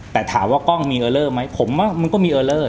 แต่ถามว่ากล้องมีเออเลอร์ไหมผมว่ามันก็มีเออเลอร์